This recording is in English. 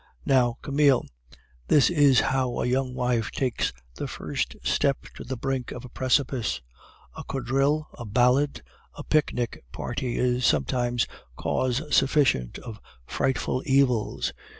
"Now, Camille, this is how a young wife takes the first step to the brink of a precipice. A quadrille, a ballad, a picnic party is sometimes cause sufficient of frightful evils.